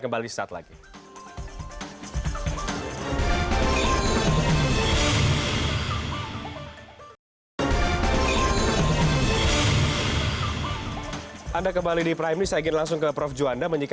bisa kelihatan kan nanti